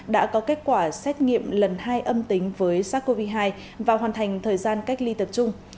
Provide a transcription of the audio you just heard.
đã có kết quả xét nghiệm lần hai âm tính với sars cov hai và hoàn thành thời gian cách ly tập trung